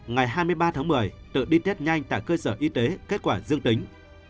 ngày hai mươi ba tháng một mươi tự đi test nhanh tại cơ sở y tế kết quả dương tính